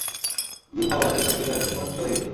ইউহাওয়ার পিতা ছিল একজন কট্টর ইহুদী।